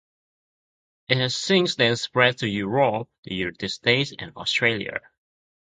It has since then spread to Europe, the United States, and Australia.